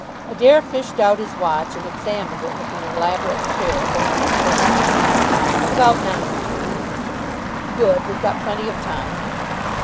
Adair fished out his watch, and examined it with an elaborate care born of nervousness. "About nine to." "Good. We've got plenty of time."